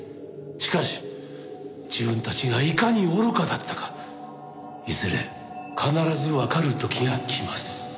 しかし自分たちがいかに愚かだったかいずれ必ずわかる時が来ます。